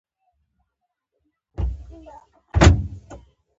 کوربه د ماشومانو مهربان وي.